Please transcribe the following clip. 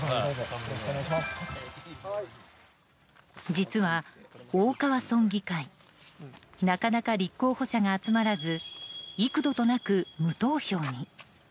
実は、大川村議会なかなか立候補者が集まらず幾度となく無投票に。